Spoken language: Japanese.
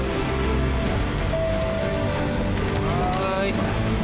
はい。